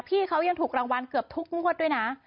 พี่เขายังถูกรางวัลเกือบทุกงวดด้วยนะ